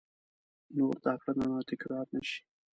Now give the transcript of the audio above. نور دا کړنه تکرار نه شي !